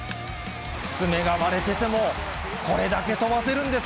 爪が割れてても、これだけ飛ばせるんです。